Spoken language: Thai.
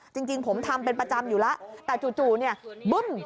จริงผมทำเป็นประจำอยู่แล้วแต่จู่เนี่ยบึ้ม